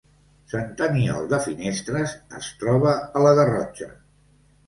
Sant Aniol de Finestres es troba a la Garrotxa